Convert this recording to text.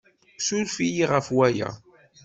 Ssuref-iyi ɣef waya.